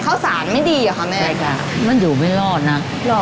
ขาดทำ